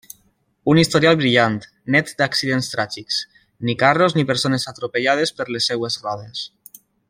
Un historial brillant, net d’accidents tràgics, ni carros ni persones atropellades per les seves rodes.